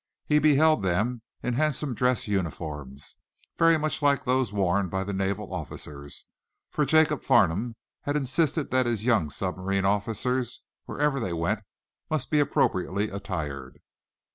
He beheld them in handsome dress uniforms, very much like those worn by the naval officers, for Jacob Farnum had insisted that his young submarine officers, wherever they went must be appropriately attired.